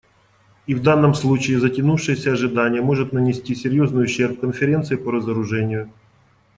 И в данном случае затянувшееся ожидание может нанести серьезный ущерб Конференции по разоружению.